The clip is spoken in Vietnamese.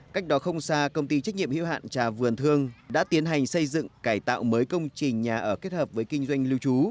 cách đó không xa công ty trách nhiệm hữu hạn trà vườn thương đã tiến hành xây dựng cải tạo mới công trình nhà ở kết hợp với kinh doanh lưu trú